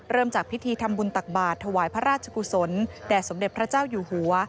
จากพิธีทำบุญตักบาทถวายพระราชกุศลแด่สมเด็จพระเจ้าอยู่หัว